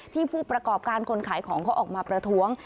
ผู้ประกอบการคนขายของเขาออกมาประท้วง